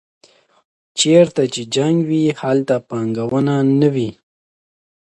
چېرته چې جنګ وي هلته پانګونه نه وي.